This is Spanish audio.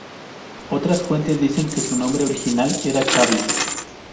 Otras fuentes dicen que su nombre original era Charlie.